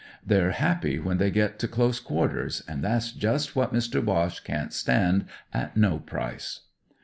They're happy when they get to close quarters, an' that's just what Mister Boche can't stand at no price."